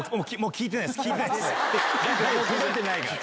届いてないから。